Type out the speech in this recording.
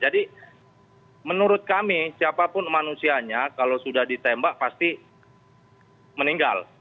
jadi menurut kami siapapun manusianya kalau sudah ditembak pasti meninggal